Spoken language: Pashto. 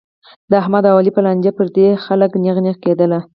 د احمد او علي په لانجه کې پردي خلک نېغ نېغ کېدل.